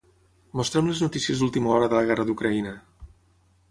Mostra'm les notícies d'última hora de la guerra d'Ucraïna.